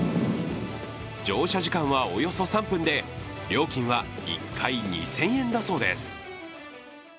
乗車時間はおよそ３分で料金は１回２０００円だそうです。